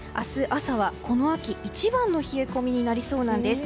朝はこの秋一番の冷え込みになりそうなんです。